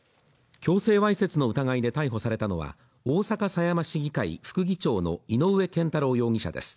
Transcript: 強制わいせつの疑いで逮捕されたのは大阪狭山市議会副議長の井上健太郎容疑者です